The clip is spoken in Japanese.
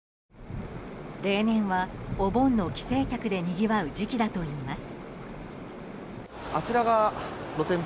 例年は、お盆の帰省客でにぎわう時期だといいます。